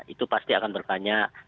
itu pasti akan bertanya